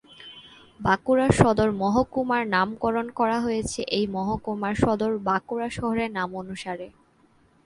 বাঁকুড়া সদর মহকুমার নামকরণ করা হয়েছে এই মহকুমার সদর বাঁকুড়া শহরের নামানুসারে।